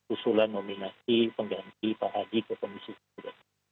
usulan nominasi pengganti pak hadi ke komisi tiga